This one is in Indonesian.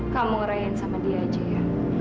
kamu ngerain sama dia aja ya